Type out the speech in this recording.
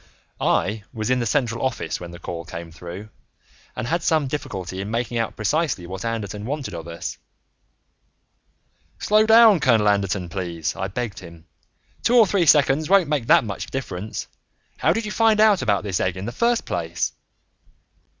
I was in the central office when the call came through, and had some difficulty in making out precisely what Anderton wanted of us. "Slow down, Colonel Anderton, please," I begged him. "Two or three seconds won't make that much difference. How did you find out about this egg in the first place?"